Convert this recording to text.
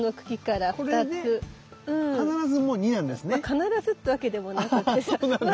必ずってわけでもなくってさま